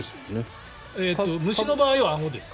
虫の場合はあごですね。